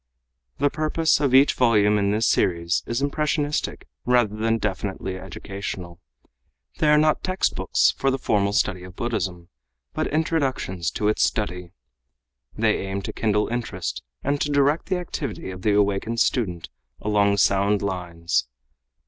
The purpose of each volume in this series is impressionistic rather than definitely educational. They are not textbooks for the formal study of Buddhism, but introductions to its study. They aim to kindle interest and to direct the activity of the awakened student along sound lines.